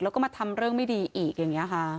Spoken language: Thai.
แล้วก็มาทำเรื่องไม่ดีอีกอย่างนี้ค่ะ